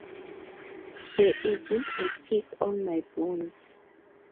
There isn’t a pick on my bones.